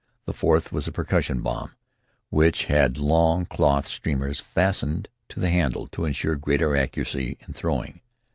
The fourth was a percussion bomb, which had long cloth streamers fastened to the handle to insure greater accuracy in throwing.